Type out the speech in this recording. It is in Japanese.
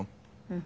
うん。